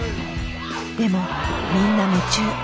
でもみんな夢中。